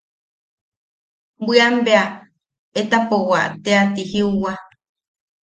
Bwiam bea etapowa teati jiuwa.